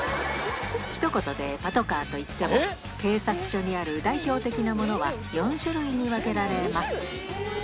ひと言でパトカーといっても、警察署にある代表的なものは４種類に分けられます。